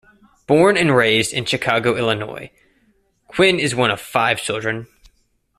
Born and raised in Chicago, Illinois, Quinn is one of five children.